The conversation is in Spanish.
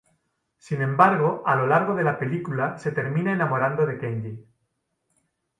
Sin embargo a lo largo de la película se termina enamorando de Kenji.